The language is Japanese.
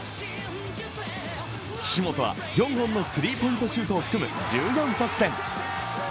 岸本は４本のスリーポイントシュートを含む１４得点。